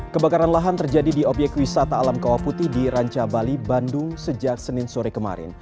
kebakaran lahan terjadi di obyek wisata alam kawah putih di ranca bali bandung sejak senin sore kemarin